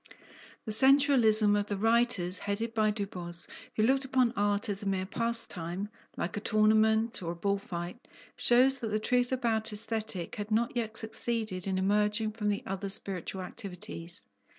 The sensualism of the writers headed by Du Bos, who looked upon art as a mere pastime, like a tournament or a bull fight, shows that the truth about Aesthetic had not yet succeeded in emerging from the other spiritual activities.